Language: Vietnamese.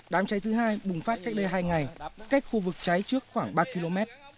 đám cháy thứ hai bùng phát cách đây hai ngày cách khu vực cháy trước khoảng ba km